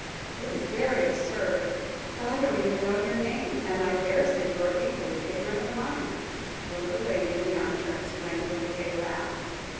"It is very absurd, but I don't even know your name, and I daresay you are equally ignorant of mine?" the little lady in the armchair exclaimed, with a gay laugh.